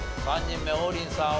３人目王林さん